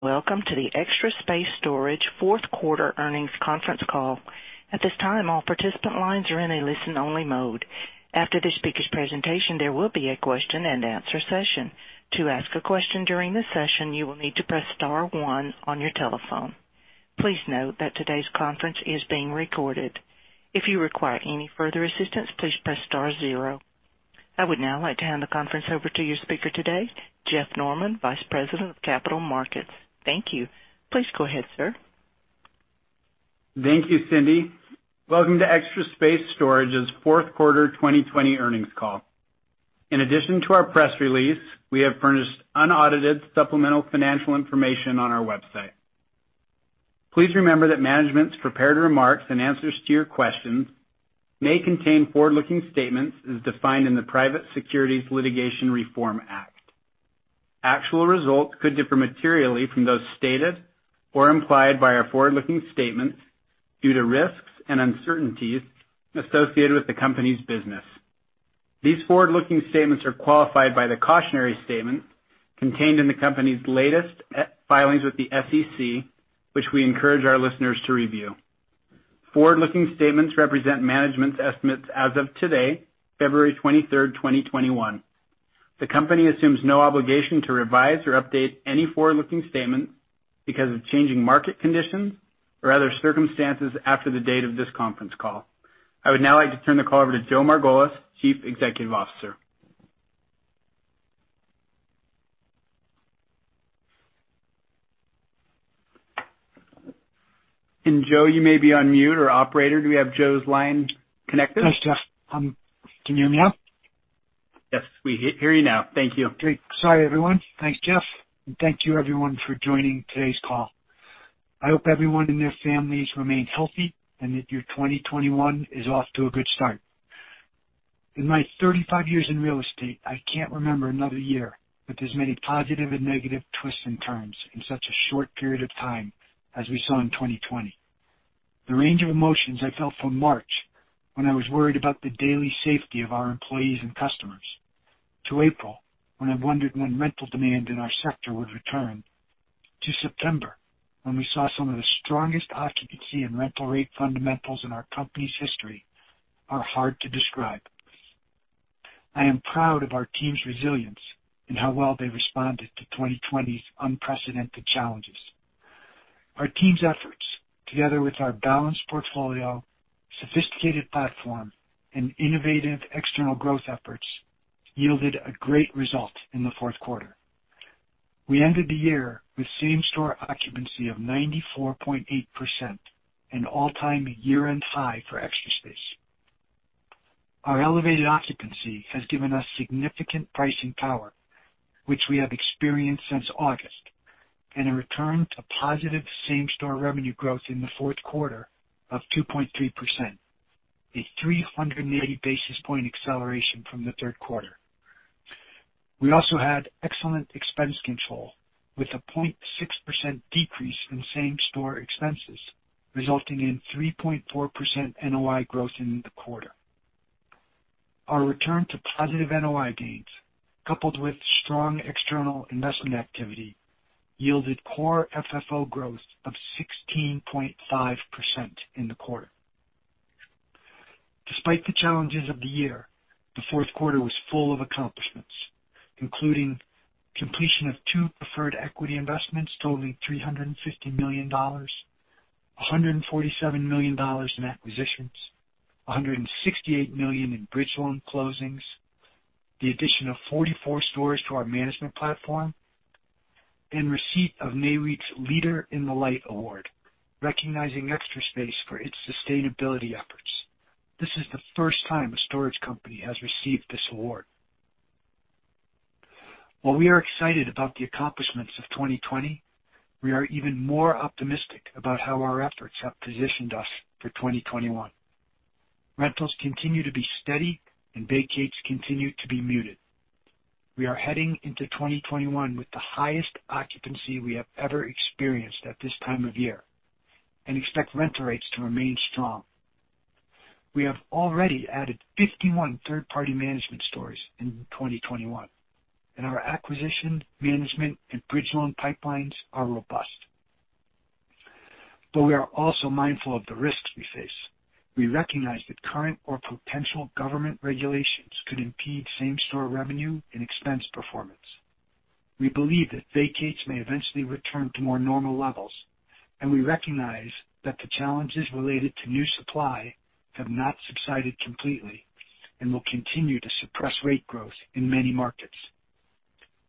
Welcome to the Extra Space Storage fourth quarter earnings conference call. At this time, all participant lines are in a listen-only mode. After the speaker's presentation, there will be a question-and-answer session. To ask a question during the session, you will need to press star one on your telephone. Please note that today's conference is being recorded. If you require any further assistance, please press star zero. I would now like to hand the conference over to your speaker today, Jeff Norman, Vice President of Capital Markets. Thank you. Please go ahead, sir. Thank you, Cindy. Welcome to Extra Space Storage's fourth quarter 2020 earnings call. In addition to our press release, we have furnished unaudited supplemental financial information on our website. Please remember that management's prepared remarks and answers to your questions may contain forward-looking statements as defined in the Private Securities Litigation Reform Act. Actual results could differ materially from those stated or implied by our forward-looking statements due to risks and uncertainties associated with the company's business. These forward-looking statements are qualified by the cautionary statement contained in the company's latest filings with the SEC, which we encourage our listeners to review. Forward-looking statements represent management's estimates as of today, February 23rd, 2021. The company assumes no obligation to revise or update any forward-looking statements because of changing market conditions or other circumstances after the date of this conference call. I would now like to turn the call over to Joe Margolis, Chief Executive Officer. Joe, you may be on mute, or operator, do we have Joe's line connected? Thanks, Jeff. Can you hear me now? Yes, we hear you now. Thank you. Great. Sorry, everyone. Thanks, Jeff. Thank you everyone for joining today's call. I hope everyone and their families remain healthy and that your 2021 is off to a good start. In my 35 years in real estate, I can't remember another year with as many positive and negative twists and turns in such a short period of time as we saw in 2020. The range of emotions I felt from March, when I was worried about the daily safety of our employees and customers, to April, when I wondered when rental demand in our sector would return, to September, when we saw some of the strongest occupancy and rental rate fundamentals in our company's history, are hard to describe. I am proud of our team's resilience and how well they responded to 2020's unprecedented challenges. Our team's efforts, together with our balanced portfolio, sophisticated platform, and innovative external growth efforts, yielded a great result in the fourth quarter. We ended the year with same-store occupancy of 94.8%, an all-time year-end high for Extra Space. Our elevated occupancy has given us significant pricing power, which we have experienced since August, and a return to positive same-store revenue growth in the fourth quarter of 2.3%, a 380 basis point acceleration from the third quarter. We also had excellent expense control, with a 0.6% decrease in same-store expenses, resulting in 3.4% NOI growth in the quarter. Our return to positive NOI gains, coupled with strong external investment activity, yielded core FFO growth of 16.5% in the quarter. Despite the challenges of the year, the fourth quarter was full of accomplishments, including completion of two preferred equity investments totaling $350 million, $147 million in acquisitions, $168 million in bridge loan closings, the addition of 44 stores to our management platform, and receipt of Nareit's Leader in the Light Award, recognizing Extra Space for its sustainability efforts. This is the first time a storage company has received this award. While we are excited about the accomplishments of 2020, we are even more optimistic about how our efforts have positioned us for 2021. Rentals continue to be steady, and vacates continue to be muted. We are heading into 2021 with the highest occupancy we have ever experienced at this time of year and expect rental rates to remain strong. We have already added 51 third-party management stores in 2021, and our acquisition, management, and bridge loan pipelines are robust. We are also mindful of the risks we face. We recognize that current or potential government regulations could impede same-store revenue and expense performance. We believe that vacates may eventually return to more normal levels, and we recognize that the challenges related to new supply have not subsided completely and will continue to suppress rate growth in many markets.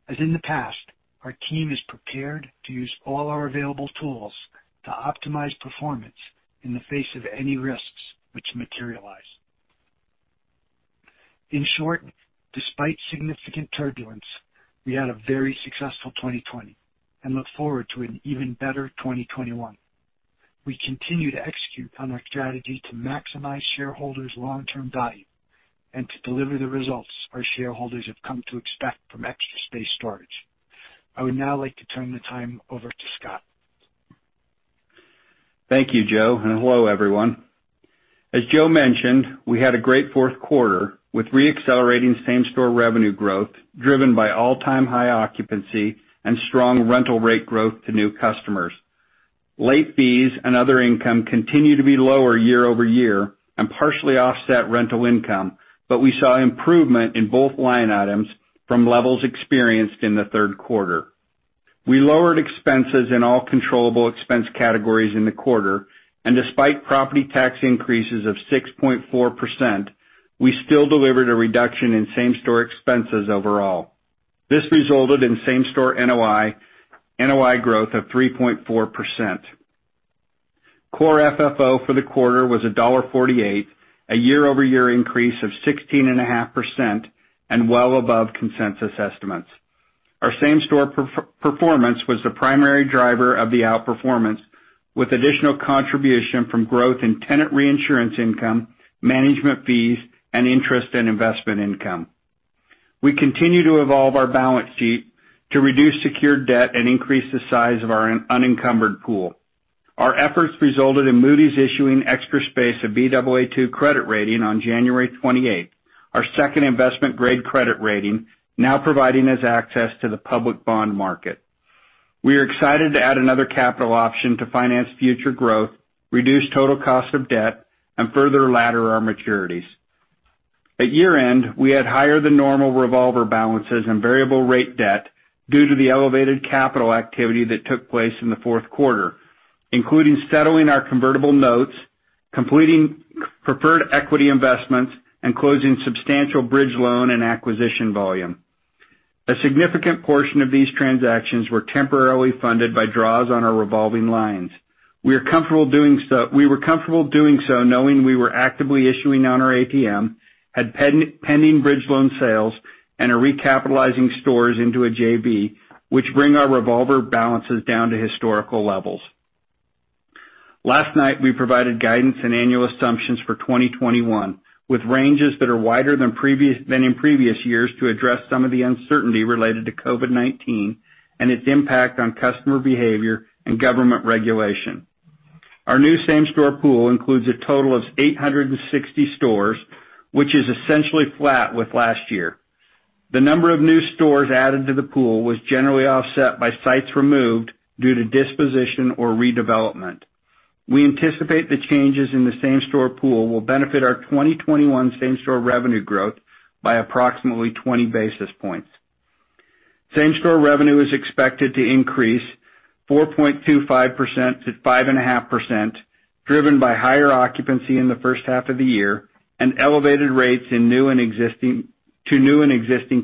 As in the past, our team is prepared to use all our available tools to optimize performance in the face of any risks which materialize. In short, despite significant turbulence, we had a very successful 2020 and look forward to an even better 2021. We continue to execute on our strategy to maximize shareholders' long-term value and to deliver the results our shareholders have come to expect from Extra Space Storage. I would now like to turn the time over to Scott. Thank you, Joe, and hello, everyone. As Joe mentioned, we had a great fourth quarter with re-accelerating same-store revenue growth, driven by all-time high occupancy and strong rental rate growth to new customers. Late fees and other income continue to be lower year-over-year and partially offset rental income, but we saw improvement in both line items from levels experienced in the third quarter. We lowered expenses in all controllable expense categories in the quarter, and despite property tax increases of 6.4%, we still delivered a reduction in same-store expenses overall. This resulted in same-store NOI growth of 3.4%. Core FFO for the quarter was $1.48, a year-over-year increase of 16.5% and well above consensus estimates. Our same-store performance was the primary driver of the outperformance, with additional contribution from growth in tenant reinsurance income, management fees, and interest in investment income. We continue to evolve our balance sheet to reduce secured debt and increase the size of our unencumbered pool. Our efforts resulted in Moody's issuing Extra Space a Baa2 credit rating on January 28th, our second investment grade credit rating, now providing us access to the public bond market. We are excited to add another capital option to finance future growth, reduce total cost of debt, and further ladder our maturities. At year-end, we had higher than normal revolver balances and variable rate debt due to the elevated capital activity that took place in the fourth quarter, including settling our convertible notes, completing preferred equity investments, and closing substantial bridge loan and acquisition volume. A significant portion of these transactions were temporarily funded by draws on our revolving lines. We were comfortable doing so knowing we were actively issuing on our ATM, had pending bridge loan sales, and are recapitalizing stores into a JV, which bring our revolver balances down to historical levels. Last night, we provided guidance and annual assumptions for 2021, with ranges that are wider than in previous years to address some of the uncertainty related to COVID-19 and its impact on customer behavior and government regulation. Our new same-store pool includes a total of 860 stores, which is essentially flat with last year. The number of new stores added to the pool was generally offset by sites removed due to disposition or redevelopment. We anticipate the changes in the same-store pool will benefit our 2021 same-store revenue growth by approximately 20 basis points. Same-store revenue is expected to increase 4.25%-5.5%, driven by higher occupancy in the first half of the year and elevated rates to new and existing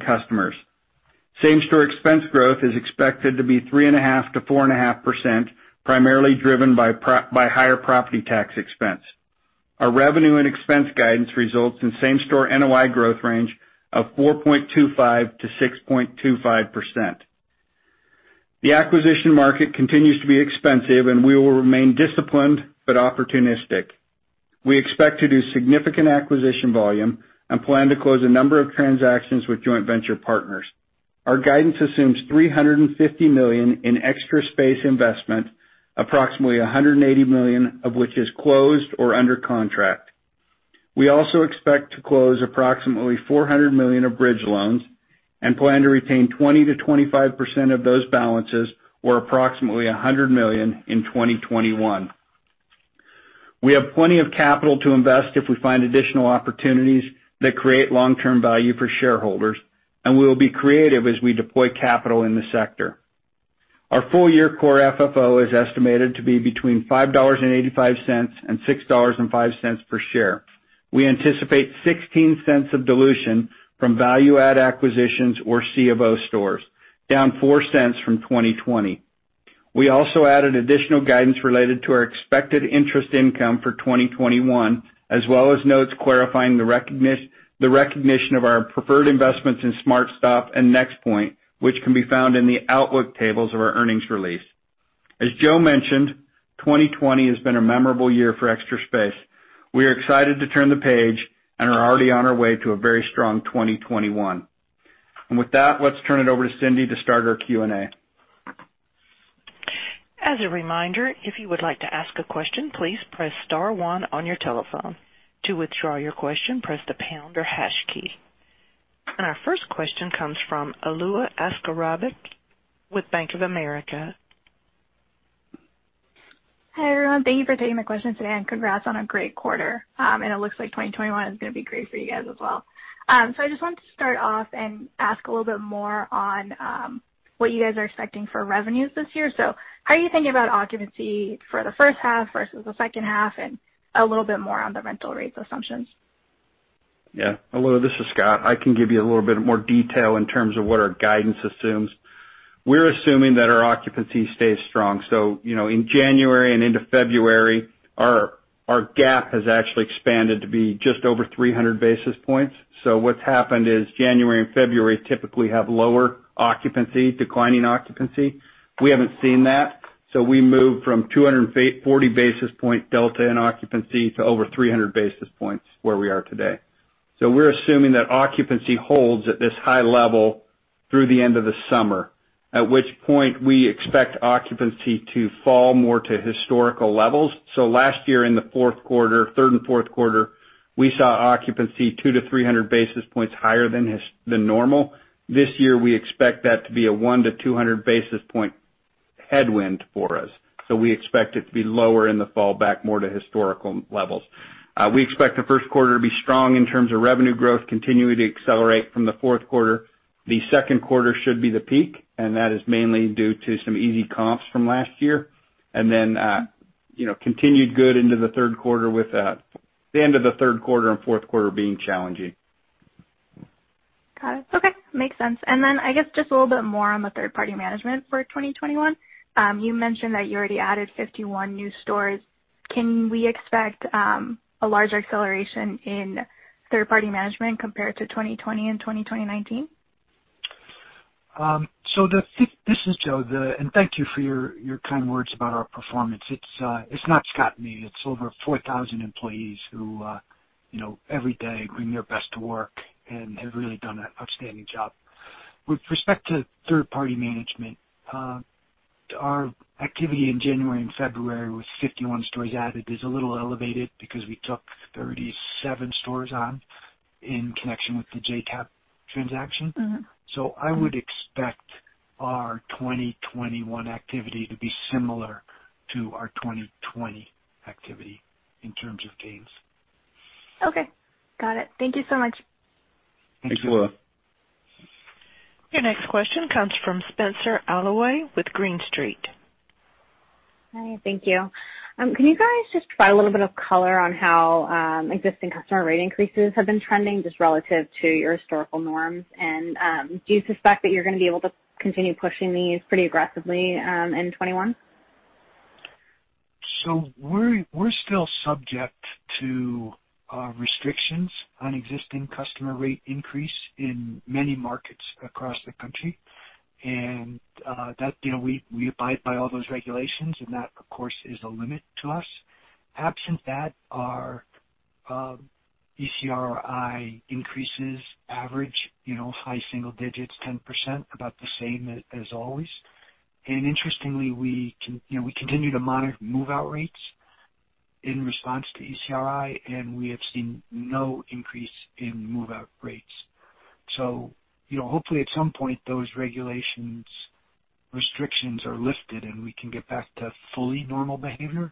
customers. Same-store expense growth is expected to be 3.5%-4.5%, primarily driven by higher property tax expense. Our revenue and expense guidance results in same-store NOI growth range of 4.25%-6.25%. The acquisition market continues to be expensive, we will remain disciplined but opportunistic. We expect to do significant acquisition volume and plan to close a number of transactions with joint venture partners. Our guidance assumes $350 million in Extra Space investment, approximately $180 million of which is closed or under contract. We also expect to close approximately $400 million of bridge loans and plan to retain 20%-25% of those balances, or approximately $100 million in 2021. We have plenty of capital to invest if we find additional opportunities that create long-term value for shareholders, and we will be creative as we deploy capital in the sector. Our full-year core FFO is estimated to be between $5.85 and $6.05 per share. We anticipate $0.16 of dilution from value-add acquisitions or C of O stores, down $0.04 from 2020. We also added additional guidance related to our expected interest income for 2021, as well as notes clarifying the recognition of our preferred investments in SmartStop and NexPoint, which can be found in the outlook tables of our earnings release. As Joe mentioned, 2020 has been a memorable year for Extra Space. We are excited to turn the page and are already on our way to a very strong 2021. With that, let's turn it over to Cindy to start our Q&A. As a reminder, if you would like to ask a question, please press star one on your telephone. To withdraw your question, press the pound or hash key. Our first question comes from Alua Askarbek with Bank of America. Hi, everyone. Thank you for taking my question today, and congrats on a great quarter. It looks like 2021 is going to be great for you guys as well. I just wanted to start off and ask a little bit more on what you guys are expecting for revenues this year. How are you thinking about occupancy for the first half versus the second half, and a little bit more on the rental rates assumptions? Yeah. Alua, this is Scott. I can give you a little bit more detail in terms of what our guidance assumes. In January and into February, our gap has actually expanded to be just over 300 basis points. What's happened is January and February typically have lower occupancy, declining occupancy. We haven't seen that. We moved from 240 basis point delta in occupancy to over 300 basis points where we are today. We're assuming that occupancy holds at this high level through the end of the summer, at which point we expect occupancy to fall more to historical levels. Last year, in the fourth quarter, third and fourth quarter, we saw occupancy 200-300 basis points higher than normal. This year, we expect that to be a 100-200 basis point headwind for us. We expect it to be lower in the fall, back more to historical levels. We expect the first quarter to be strong in terms of revenue growth continuing to accelerate from the fourth quarter. The second quarter should be the peak, and that is mainly due to some easy comps from last year. Continued good into the end of the third quarter and fourth quarter being challenging. Got it. Okay. Makes sense. I guess, just a little bit more on the third-party management for 2021. You mentioned that you already added 51 new stores. Can we expect a larger acceleration in third-party management compared to 2020 and 2019? This is Joe. Thank you for your kind words about our performance. It's not Scott and me. It's over 4,000 employees who, every day, bring their best to work and have really done an outstanding job. With respect to third party management, our activity in January and February with 51 stores added is a little elevated because we took 37 stores on in connection with the JCAP transaction. I would expect our 2021 activity to be similar to our 2020 activity in terms of gains. Okay. Got it. Thank you so much. Thank you. Thanks, Alua. Your next question comes from Spenser Allaway with Green Street. Hi, thank you. Can you guys just provide a little bit of color on how existing customer rate increases have been trending, just relative to your historical norms? Do you suspect that you're going to be able to continue pushing these pretty aggressively in 2021? We're still subject to restrictions on existing customer rate increase in many markets across the country. We abide by all those regulations, and that, of course, is a limit to us. Absent that, our ECRI increases average high single digits, 10%, about the same as always. Interestingly, we continue to monitor move-out rates in response to ECRI, and we have seen no increase in move-out rates. Hopefully at some point, those regulations restrictions are lifted, and we can get back to fully normal behavior.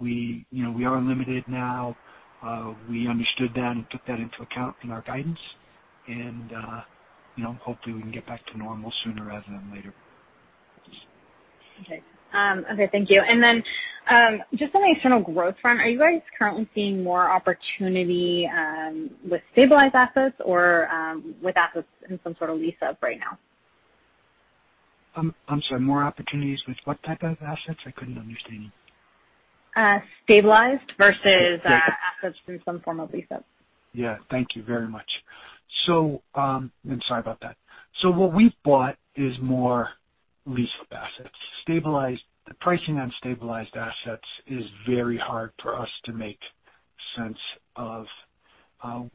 We are limited now. We understood that and took that into account in our guidance, and hopefully we can get back to normal sooner rather than later. Okay. Thank you. Just on the external growth front, are you guys currently seeing more opportunity with stabilized assets or with assets in some sort of lease-up right now? I'm sorry, more opportunities with what type of assets? I couldn't understand you. Stabilized versus- Yes assets through some form of lease-up. Yeah. Thank you very much. I'm sorry about that. What we've bought is more lease-up assets. The pricing on stabilized assets is very hard for us to make sense of.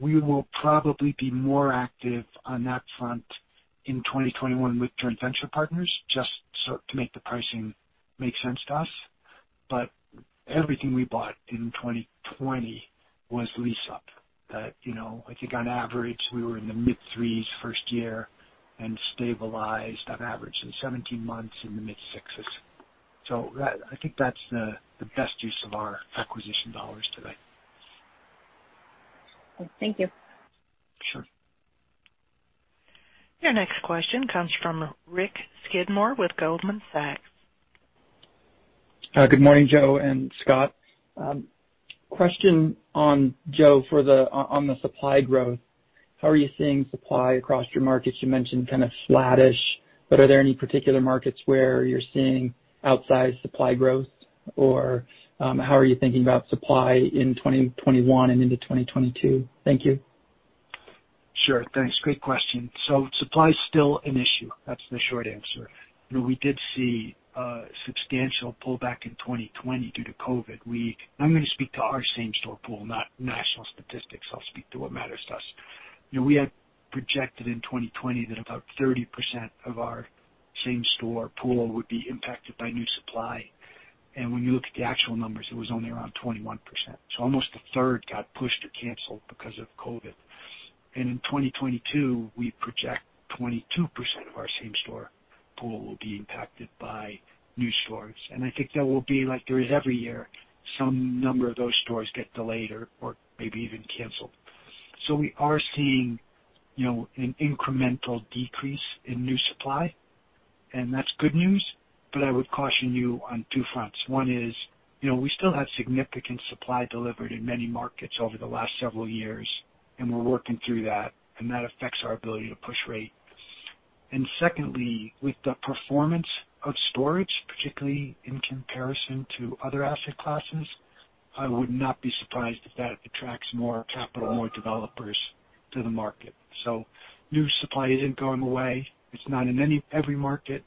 We will probably be more active on that front in 2021 with joint venture partners just so to make the pricing make sense to us. Everything we bought in 2020 was lease-up that, I think on average, we were in the mid threes first year and stabilized on average in 17 months in the mid sixes. I think that's the best use of our acquisition dollars today. Thank you. Sure. Your next question comes from Richard Skidmore with Goldman Sachs. Good morning, Joe and Scott. Question on, Joe, on the supply growth. How are you seeing supply across your markets? You mentioned kind of flattish, but are there any particular markets where you're seeing outsized supply growth, or how are you thinking about supply in 2021 and into 2022? Thank you. Sure. Thanks. Great question. Supply's still an issue. That's the short answer. We did see a substantial pullback in 2020 due to COVID. I'm going to speak to our same-store pool, not national statistics. I'll speak to what matters to us. We had projected in 2020 that about 30% of our same-store pool would be impacted by new supply. When you look at the actual numbers, it was only around 21%. Almost a third got pushed or canceled because of COVID. In 2022, we project 22% of our same-store pool will be impacted by new stores. I think there will be, like there is every year, some number of those stores get delayed or maybe even canceled. We are seeing an incremental decrease in new supply, and that's good news, but I would caution you on two fronts. One is, we still have significant supply delivered in many markets over the last several years, and we're working through that, and that affects our ability to push rate. Secondly, with the performance of storage, particularly in comparison to other asset classes, I would not be surprised if that attracts more capital, more developers to the market. New supply isn't going away. It's not in every market,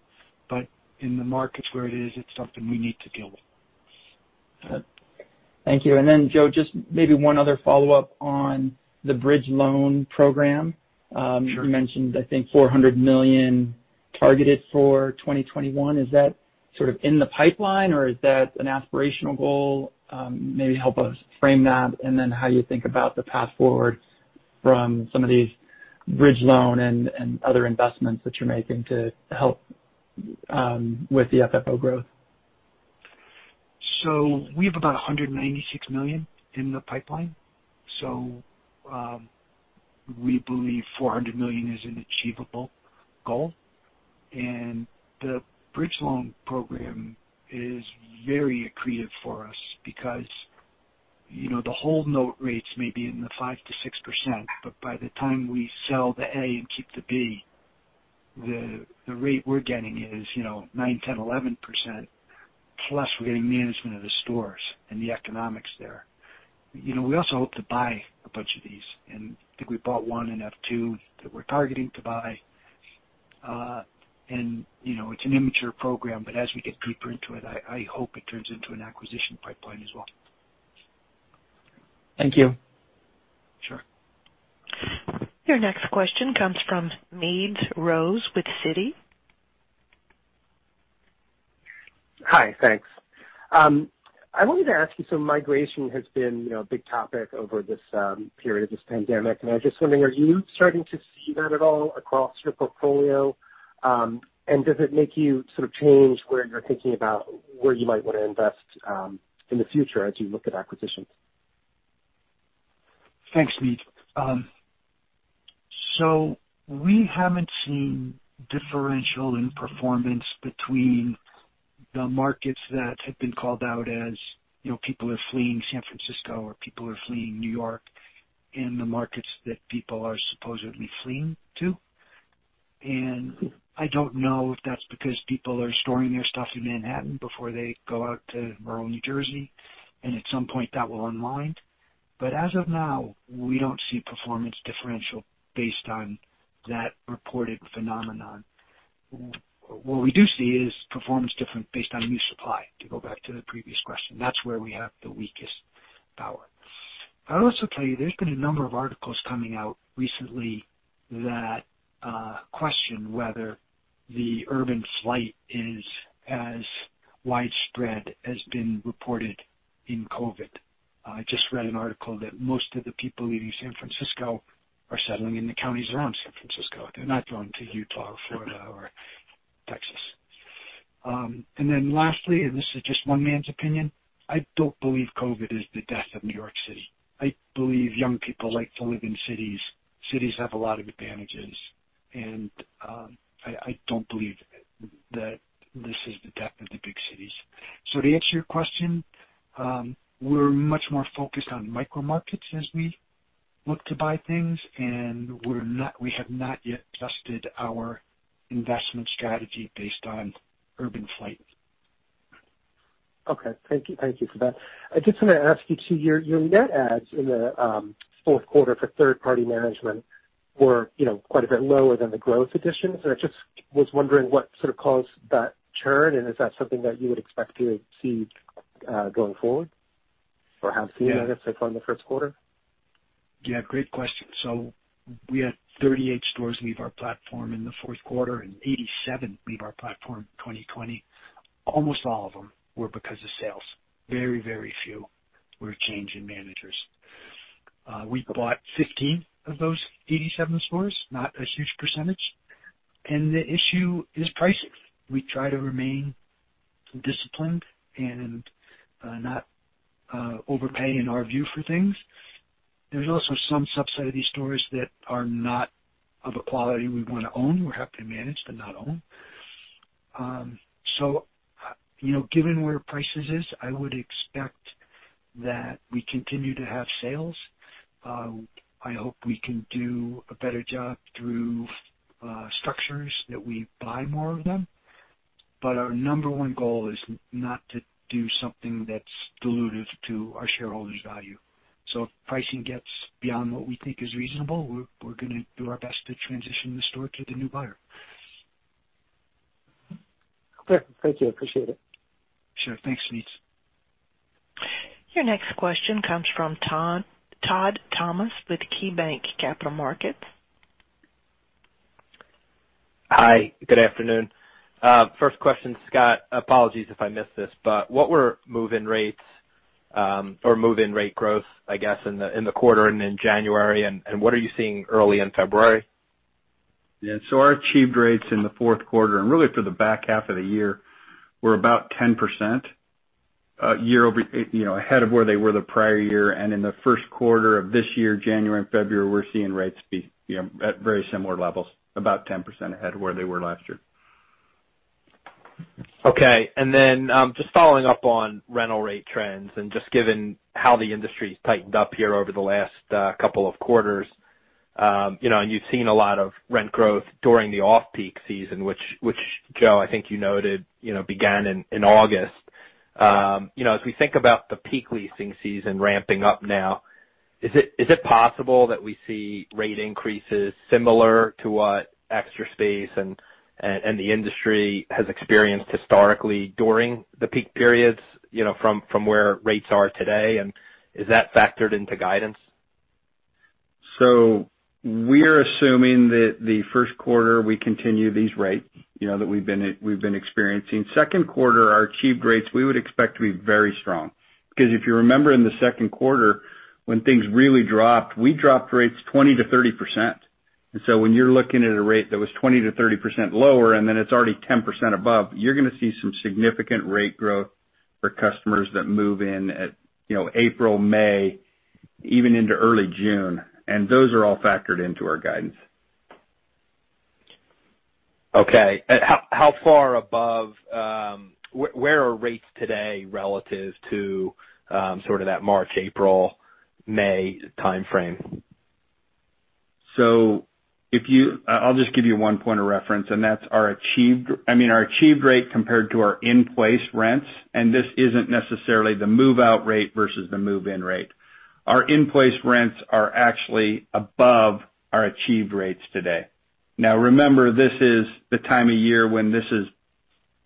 but in the markets where it is, it's something we need to deal with. Thank you. Joe, just maybe one other follow-up on the bridge loan program. Sure. You mentioned, I think, $400 million targeted for 2021. Is that sort of in the pipeline or is that an aspirational goal? Maybe help us frame that and then how you think about the path forward from some of these bridge loan and other investments that you're making to help with the FFO growth. We have about $196 million in the pipeline, so we believe $400 million is an achievable goal. The bridge loan program is very accretive for us because the whole note rates may be in the 5%-6%, but by the time we sell the A and keep the B, the rate we're getting is 9%, 10%, 11%, plus we're getting management of the stores and the economics there. We also hope to buy a bunch of these, and I think we bought one and have two that we're targeting to buy. It's an immature program, but as we get deeper into it, I hope it turns into an acquisition pipeline as well. Thank you. Sure. Your next question comes from Smedes Rose with Citi. Hi. Thanks. I wanted to ask you, migration has been a big topic over this period of this pandemic, and I was just wondering, are you starting to see that at all across your portfolio? Does it make you sort of change where you're thinking about where you might want to invest in the future as you look at acquisitions? Thanks, Smedes. We haven't seen differential in performance between the markets that have been called out as people are fleeing San Francisco or people are fleeing New York and the markets that people are supposedly fleeing to. I don't know if that's because people are storing their stuff in Manhattan before they go out to rural New Jersey, and at some point that will unwind. As of now, we don't see performance differential based on that reported phenomenon. What we do see is performance differential based on new supply, to go back to the previous question. That's where we have the weakest power. I would also tell you, there's been a number of articles coming out recently that question whether the urban flight is as widespread as been reported in COVID. I just read an article that most of the people leaving San Francisco are settling in the counties around San Francisco. They're not going to Utah or Florida or Texas. Lastly, and this is just one man's opinion, I don't believe COVID is the death of New York City. I believe young people like to live in cities. Cities have a lot of advantages, I don't believe that this is the death of the big cities. To answer your question, we're much more focused on micro markets as we look to buy things, and we have not yet adjusted our investment strategy based on urban flight. Okay. Thank you for that. I did want to ask you too, your net adds in the fourth quarter for third-party management were quite a bit lower than the growth additions. I just was wondering what sort of caused that churn. Is that something that you would expect to see going forward or have seen? Yeah so far in the first quarter? Yeah, great question. We had 38 stores leave our platform in the fourth quarter and 87 leave our platform in 2020. Almost all of them were because of sales. Very, very few were change in managers. We bought 15 of those 87 stores, not a huge percentage. The issue is pricing. We try to remain disciplined and not overpay, in our view, for things. There's also some subset of these stores that are not of a quality we want to own. We're happy to manage, but not own. Given where prices is, I would expect that we continue to have sales. I hope we can do a better job through structures that we buy more of them. Our number one goal is not to do something that's dilutive to our shareholders' value. If pricing gets beyond what we think is reasonable, we're going to do our best to transition the store to the new buyer. Clear. Thank you. I appreciate it. Sure. Thanks, Smedes. Your next question comes from Todd Thomas with KeyBanc Capital Markets. Hi. Good afternoon. First question, Scott, apologies if I missed this, but what were move-in rates or move-in rate growth, I guess, in the quarter and in January, and what are you seeing early in February? Yeah. Our achieved rates in the fourth quarter, and really for the back half of the year, were about 10% ahead of where they were the prior year. In the first quarter of this year, January and February, we're seeing rates be at very similar levels, about 10% ahead of where they were last year. Okay. Just following up on rental rate trends and just given how the industry's tightened up here over the last couple of quarters, and you've seen a lot of rent growth during the off-peak season, which, Joe, I think you noted began in August. As we think about the peak leasing season ramping up now, is it possible that we see rate increases similar to what Extra Space and the industry has experienced historically during the peak periods, from where rates are today? Is that factored into guidance? We're assuming that the first quarter, we continue these rates that we've been experiencing. Second quarter, our achieved rates, we would expect to be very strong. If you remember in the second quarter, when things really dropped, we dropped rates 20%-30%. When you're looking at a rate that was 20%-30% lower, and then it's already 10% above, you're going to see some significant rate growth for customers that move in at April, May, even into early June. Those are all factored into our guidance. Okay. Where are rates today relative to sort of that March, April, May timeframe? I'll just give you one point of reference, and that's our achieved rate compared to our in-place rents, and this isn't necessarily the move-out rate versus the move-in rate. Our in-place rents are actually above our achieved rates today. Remember, this is the time of year when this is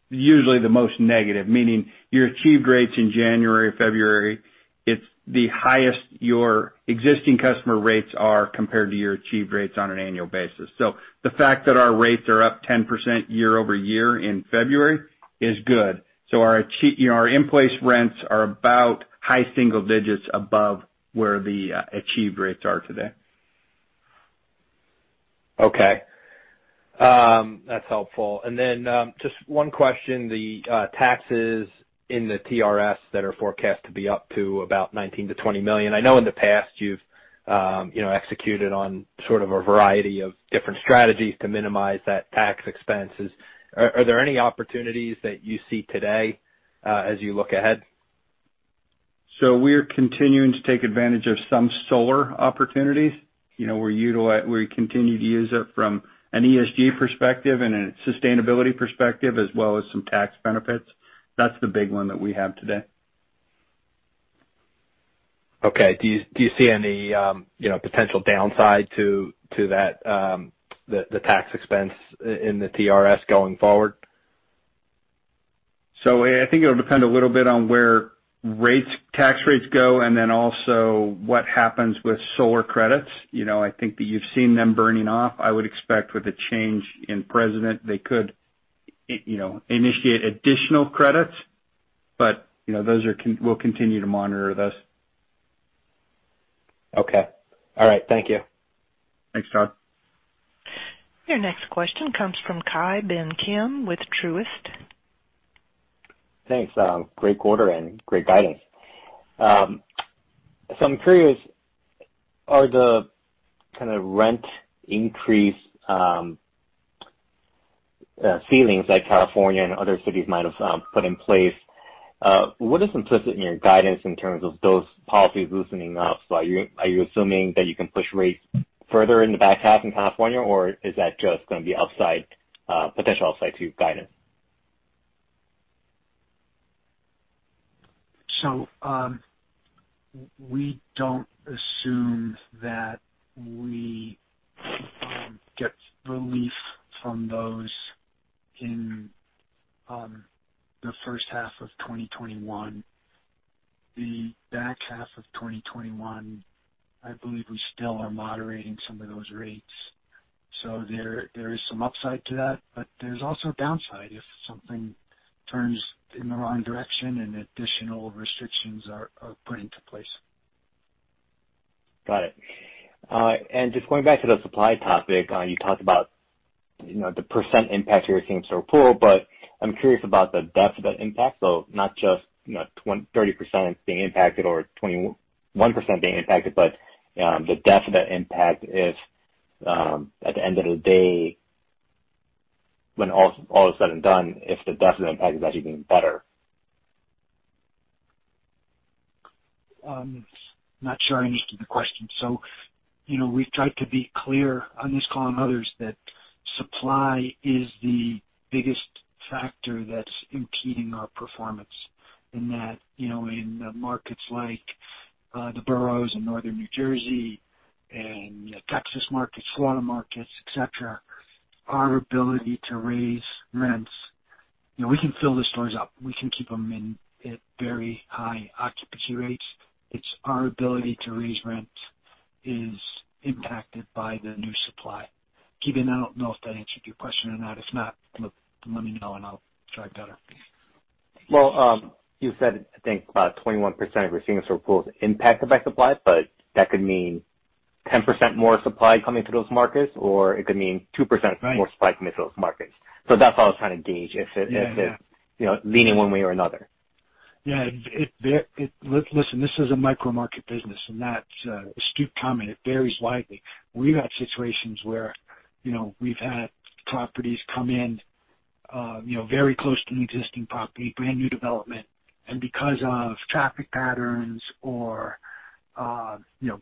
usually the most negative, meaning your achieved rates in January, February, it's the highest your existing customer rates are compared to your achieved rates on an annual basis. The fact that our rates are up 10% year-over-year in February is good. Our in-place rents are about high single digits above where the achieved rates are today. Okay. That's helpful. Just one question, the taxes in the TRS that are forecast to be up to about $19 million-$20 million. I know in the past you've executed on sort of a variety of different strategies to minimize that tax expenses. Are there any opportunities that you see today as you look ahead? We're continuing to take advantage of some solar opportunities. We continue to use it from an ESG perspective and a sustainability perspective, as well as some tax benefits. That's the big one that we have today. Okay. Do you see any potential downside to the tax expense in the TRS going forward? I think it'll depend a little bit on where tax rates go and then also what happens with solar credits. I think that you've seen them burning off. I would expect with a change in president, they could initiate additional credits. We'll continue to monitor this. Okay. All right. Thank you. Thanks, Todd. Your next question comes from Ki Bin Kim with Truist. Thanks. Great quarter and great guidance. I'm curious, are the kind of rent increase ceilings like California and other cities might have put in place, what is implicit in your guidance in terms of those policies loosening up? Are you assuming that you can push rates further in the back half in California, or is that just going to be potential upside to your guidance? We don't assume that we get relief from those in the first half of 2021. The back half of 2021, I believe we still are moderating some of those rates. There is some upside to that, but there's also a downside if something turns in the wrong direction and additional restrictions are put into place. Got it. Just going back to the supply topic, you talked about the % impact to your same-store pool, but I am curious about the depth of that impact. Not just 30% being impacted or 21% being impacted, but the depth of that impact if at the end of the day, when all is said and done, if the depth of the impact is actually getting better. I'm not sure I understood the question. We've tried to be clear on this call and others that supply is the biggest factor that's impeding our performance in that, in the markets like the boroughs in northern New Jersey and the Texas markets, Florida markets, et cetera, our ability to raise rents. We can fill the stores up. We can keep them at very high occupancy rates. It's our ability to raise rent is impacted by the new supply. Ki Bin, I don't know if that answered your question or not. If not, let me know and I'll try better. Well, you said, I think about 21% of your same-store pool is impacted by supply. That could mean 10% more supply coming to those markets, or it could mean 2% more supply coming to those markets. That's all I was trying to gauge. Yeah if it's leaning one way or another. Listen, this is a micro-market business, and that's an astute comment. It varies widely. We've had situations where we've had properties come in very close to an existing property, brand-new development, and because of traffic patterns or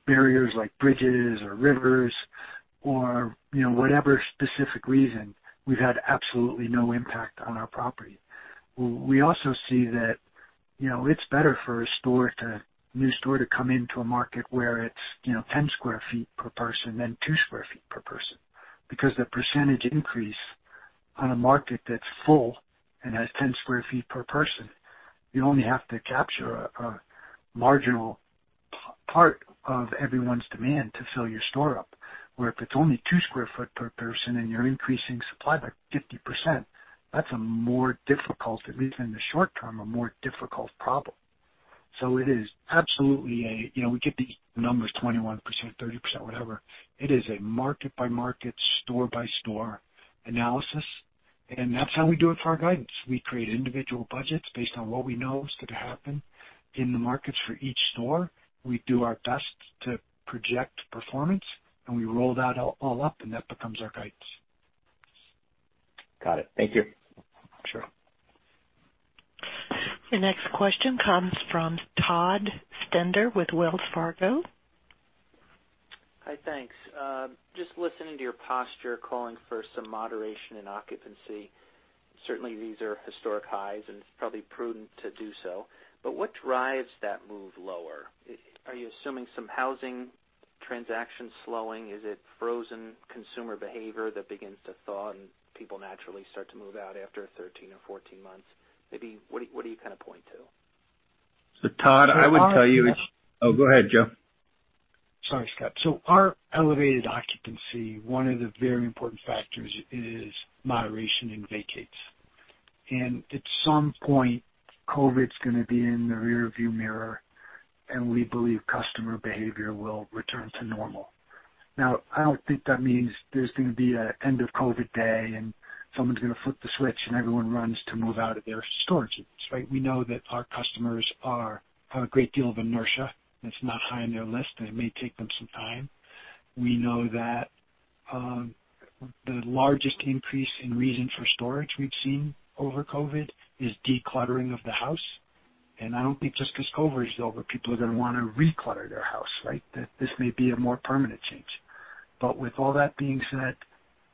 barriers like bridges or rivers or whatever specific reason, we've had absolutely no impact on our property. We also see that it's better for a new store to come into a market where it's 10 sq ft per person than two square feet per person, because the percentage increase on a market that's full and has 10 square feet per person, you only have to capture a marginal part of everyone's demand to fill your store up. Where if it's only two square feet per person and you're increasing supply by 50%, that's, at least in the short term, a more difficult problem. It is absolutely we get the numbers 21%, 30%, whatever. It is a market-by-market, store-by-store analysis, and that's how we do it for our guidance. We create individual budgets based on what we know is going to happen in the markets for each store. We do our best to project performance, and we roll that all up, and that becomes our guidance. Got it. Thank you. Sure. The next question comes from Todd Stender with Wells Fargo. Hi, thanks. Just listening to your posture, calling for some moderation in occupancy. Certainly, these are historic highs, and it's probably prudent to do so. What drives that move lower? Are you assuming some housing transactions slowing? Is it frozen consumer behavior that begins to thaw and people naturally start to move out after 13 or 14 months? Maybe what do you point to? Todd, So our- Oh, go ahead, Joe. Sorry, Scott. Our elevated occupancy, one of the very important factors is moderation in vacates. At some point, COVID's gonna be in the rearview mirror, and we believe customer behavior will return to normal. Now, I don't think that means there's gonna be an end of COVID day, and someone's gonna flip the switch, and everyone runs to move out of their storages, right? We know that our customers have a great deal of inertia, and it's not high on their list, and it may take them some time. We know that the largest increase in reason for storage we've seen over COVID is decluttering of the house. I don't think just because COVID is over, people are gonna want to reclutter their house, right? That this may be a more permanent change. With all that being said,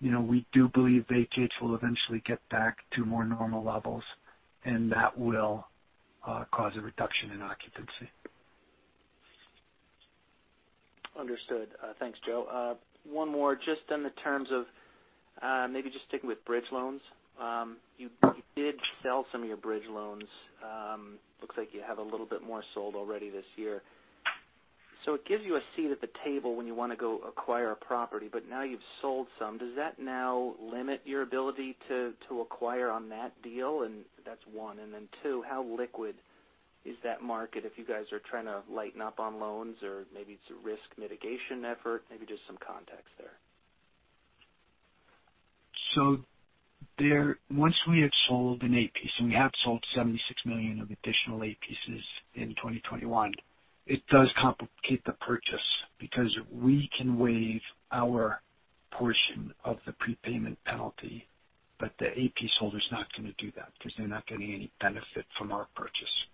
we do believe vacates will eventually get back to more normal levels, and that will cause a reduction in occupancy. Understood. Thanks, Joe. One more, just in the terms of maybe just sticking with bridge loans. You did sell some of your bridge loans. Looks like you have a little bit more sold already this year. It gives you a seat at the table when you want to go acquire a property, but now you've sold some. Does that now limit your ability to acquire on that deal? That's one. Two, how liquid is that market if you guys are trying to lighten up on loans or maybe it's a risk mitigation effort, maybe just some context there. Once we have sold an A piece, and we have sold $76 million of additional A pieces in 2021, it does complicate the purchase because we can waive our portion of the prepayment penalty, but the A piece holder's not gonna do that because they're not getting any benefit from our purchase.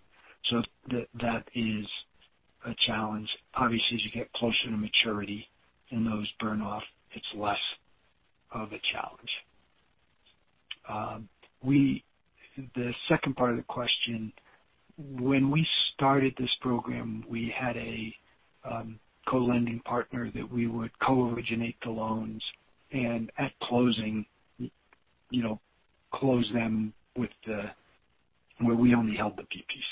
That is a challenge. Obviously, as you get closer to maturity and those burn off, it's less of a challenge. The second part of the question, when we started this program, we had a co-lending partner that we would co-originate the loans and at closing, close them where we only held the B pieces.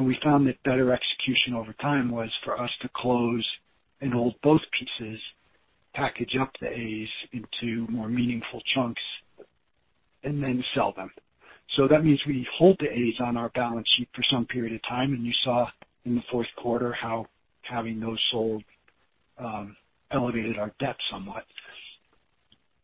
We found that better execution over time was for us to close and hold both pieces, package up the As into more meaningful chunks, and then sell them. That means we hold the As on our balance sheet for some period of time, and you saw in the fourth quarter how having those sold elevated our debt somewhat.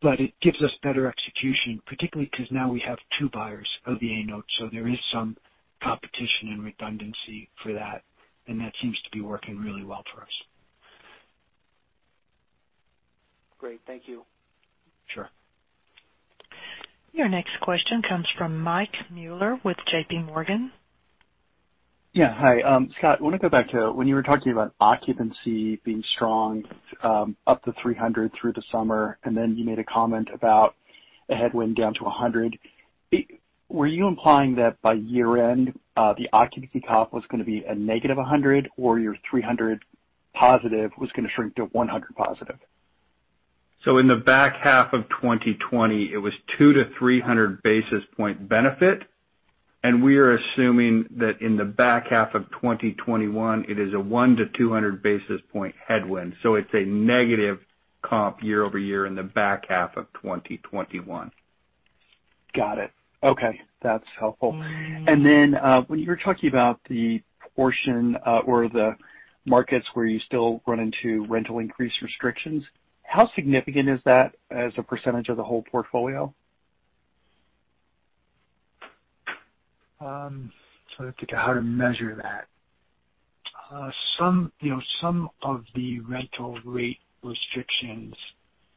It gives us better execution, particularly because now we have two buyers of the A note, so there is some competition and redundancy for that, and that seems to be working really well for us. Great. Thank you. Sure. Your next question comes from Michael Mueller with JP Morgan. Yeah. Hi. Scott, I want to go back to when you were talking about occupancy being strong up to 300 through the summer, and then you made a comment about a headwind down to 100. Were you implying that by year-end, the occupancy comp was going to be a negative 100, or your 300 positive was going to shrink to 100 positive? In the back half of 2020, it was two to 300 basis point benefit. We are assuming that in the back half of 2021, it is a one to 200 basis point headwind. It's a negative comp year-over-year in the back half of 2021. Got it. Okay. That's helpful. When you were talking about the portion, or the markets where you still run into rental increase restrictions, how significant is that as a percentage of the whole portfolio? I have to think of how to measure that. Some of the rental rate restrictions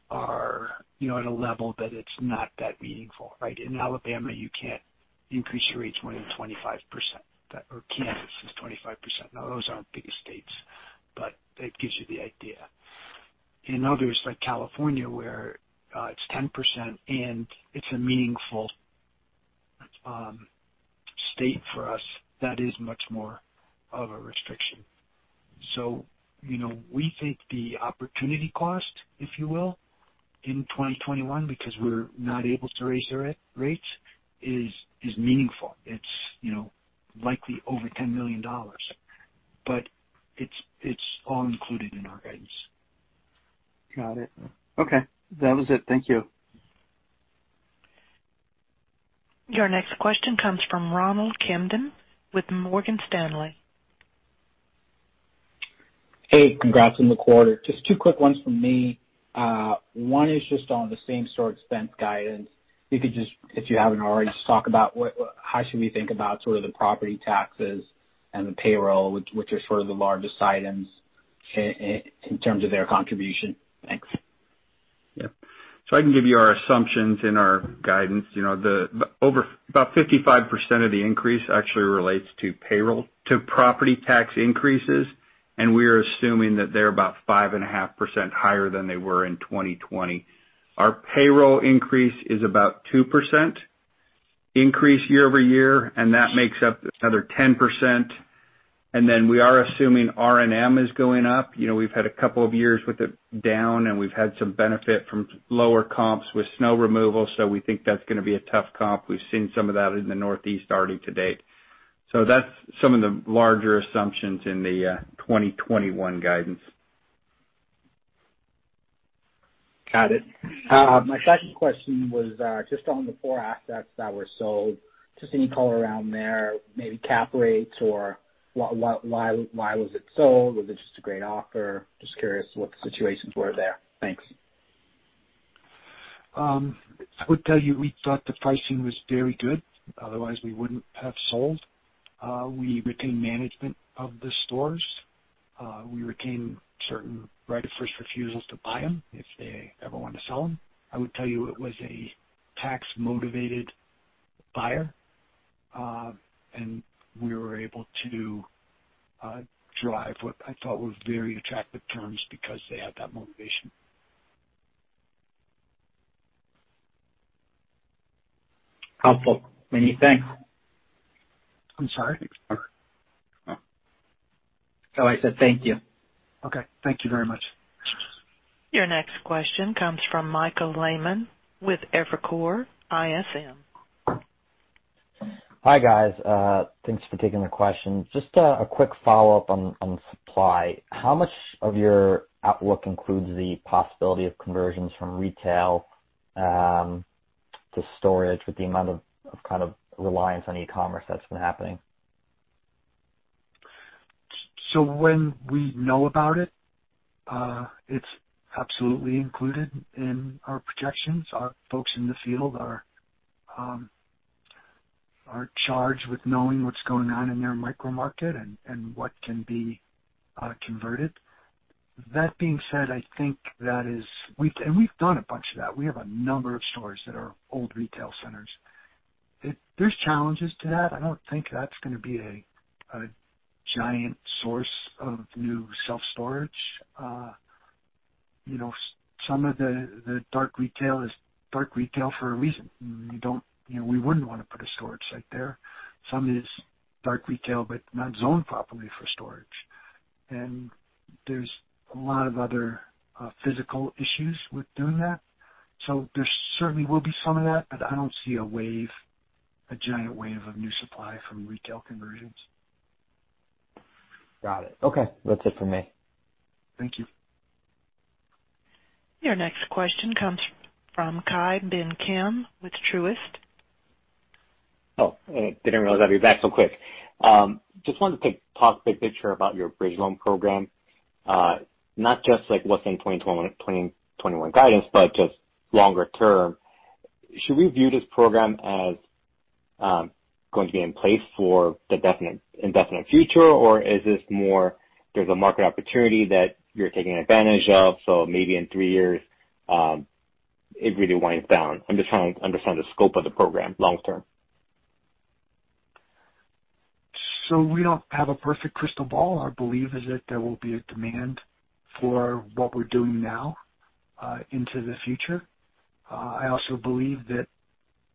are at a level that it's not that meaningful, right? In Alabama, you can't increase your rates more than 25%, or Kansas is 25%. Those aren't big states, but it gives you the idea. In others like California, where it's 10% and it's a meaningful state for us, that is much more of a restriction. We think the opportunity cost, if you will, in 2021, because we're not able to raise our rates, is meaningful. It's likely over $10 million, but it's all included in our guidance. Got it. Okay. That was it. Thank you. Your next question comes from Ronald Kamdem with Morgan Stanley. Hey, congrats on the quarter. Just two quick ones from me. One is just on the same-store expense guidance. If you haven't already, just talk about how should we think about sort of the property taxes and the payroll, which are sort of the largest items in terms of their contribution. Thanks. Yep. I can give you our assumptions in our guidance. About 55% of the increase actually relates to property tax increases, and we are assuming that they're about 5.5% higher than they were in 2020. Our payroll increase is about 2% increase year-over-year, and that makes up another 10%. We are assuming R&M is going up. We've had a couple of years with it down, and we've had some benefit from lower comps with snow removal. We think that's going to be a tough comp. We've seen some of that in the Northeast already to date. That's some of the larger assumptions in the 2021 guidance. Got it. My second question was just on the four assets that were sold, just any color around there, maybe cap rates or why was it sold? Was it just a great offer? Just curious what the situations were there. Thanks. I would tell you we thought the pricing was very good. Otherwise, we wouldn't have sold. We retained management of the stores. We retained certain right of first refusals to buy them if they ever want to sell them. I would tell you it was a tax-motivated buyer. We were able to drive what I thought was very attractive terms because they had that motivation. Helpful. Many thanks. I'm sorry? Oh, I said thank you. Okay. Thank you very much. Your next question comes from Michael Lehman with Evercore ISI. Hi, guys. Thanks for taking the question. Just a quick follow-up on supply. How much of your outlook includes the possibility of conversions from retail to storage with the amount of kind of reliance on e-commerce that's been happening? When we know about it's absolutely included in our projections. Our folks in the field are charged with knowing what's going on in their micro market and what can be converted. That being said, and we've done a bunch of that. We have a number of stores that are old retail centers. There's challenges to that. I don't think that's going to be a giant source of new self-storage. Some of the dark retail is dark retail for a reason. We wouldn't want to put a storage site there. Some is dark retail, but not zoned properly for storage. There's a lot of other physical issues with doing that. There certainly will be some of that, but I don't see a giant wave of new supply from retail conversions. Got it. Okay. That's it from me. Thank you. Your next question comes from Ki Bin Kim with Truist. I didn't realize I'd be back so quick. Just wanted to talk big picture about your bridge loan program. Not just like what's in 2021 guidance, but just longer term. Should we view this program as going to be in place for the indefinite future? Is this more there's a market opportunity that you're taking advantage of, so maybe in three years, it really winds down? I'm just trying to understand the scope of the program long-term. We don't have a perfect crystal ball. Our belief is that there will be a demand for what we're doing now into the future. I also believe that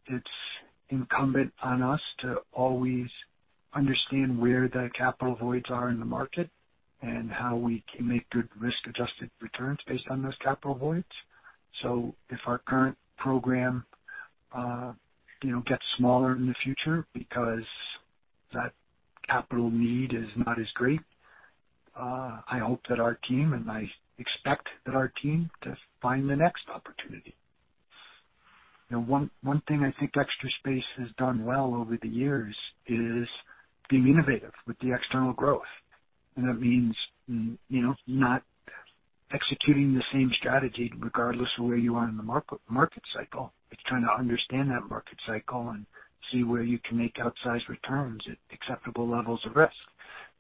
it's incumbent on us to always understand where the capital voids are in the market and how we can make good risk-adjusted returns based on those capital voids. If our current program gets smaller in the future because that capital need is not as great, I hope that our team, and I expect that our team to find the next opportunity. One thing I think Extra Space has done well over the years is being innovative with the external growth, and that means not executing the same strategy regardless of where you are in the market cycle. It's trying to understand that market cycle and see where you can make outsized returns at acceptable levels of risk.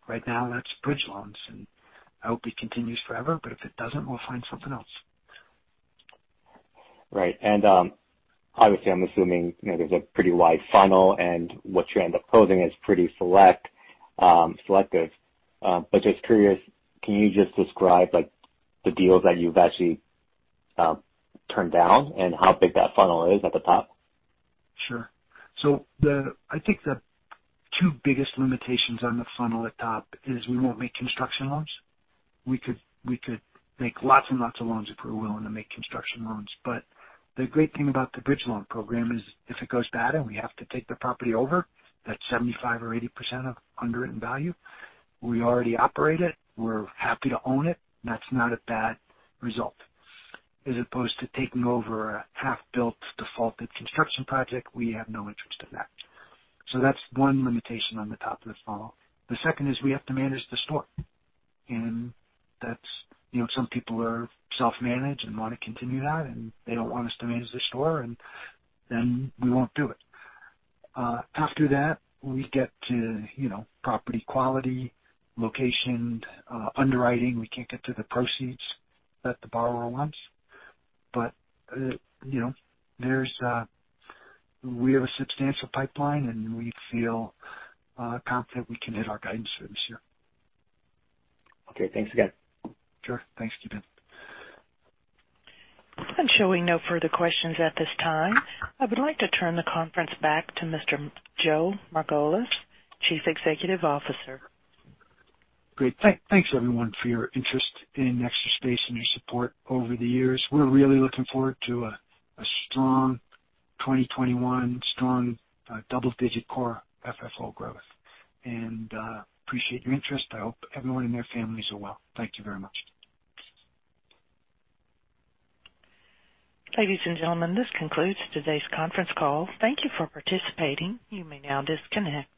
Right now that's bridge loans, and I hope it continues forever, but if it doesn't, we'll find something else. Right. Obviously, I'm assuming there's a pretty wide funnel and what you end up closing is pretty selective. Just curious, can you just describe the deals that you've actually turned down and how big that funnel is at the top? Sure. I think the two biggest limitations on the funnel at top is we won't make construction loans. We could make lots and lots of loans if we're willing to make construction loans. The great thing about the bridge loan program is if it goes bad and we have to take the property over, that's 75% or 80% of underwritten value. We already operate it. We're happy to own it. That's not a bad result, as opposed to taking over a half-built defaulted construction project, we have no interest in that. That's one limitation on the top of the funnel. The second is we have to manage the store. Some people are self-managed and want to continue that, and they don't want us to manage their store, and then we won't do it. After that, we get to property quality, location, underwriting. We can't get to the proceeds that the borrower wants. We have a substantial pipeline, and we feel confident we can hit our guidance for this year. Okay, thanks again. Sure. Thanks, Ki Bin. I'm showing no further questions at this time. I would like to turn the conference back to Mr. Joe Margolis, Chief Executive Officer. Great. Thanks everyone for your interest in Extra Space and your support over the years. We're really looking forward to a strong 2021, strong double-digit core FFO growth. We appreciate your interest. I hope everyone and their families are well. Thank you very much. Ladies and gentlemen, this concludes today's conference call. Thank you for participating. You may now disconnect.